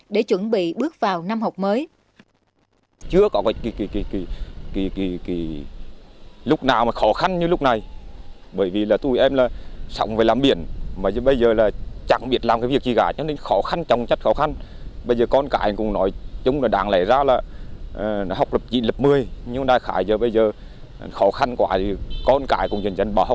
để chuẩn bị bước vào năm học mới